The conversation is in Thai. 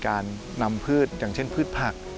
การนำพืชอย่างเช่นพืชผัก